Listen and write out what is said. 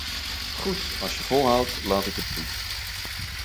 Goed, als je volhoudt, laat ik het toe.